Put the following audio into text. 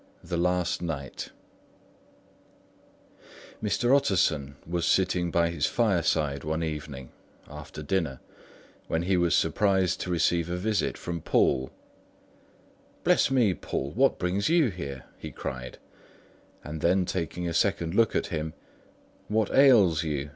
THE LAST NIGHT Mr. Utterson was sitting by his fireside one evening after dinner, when he was surprised to receive a visit from Poole. "Bless me, Poole, what brings you here?" he cried; and then taking a second look at him, "What ails you?"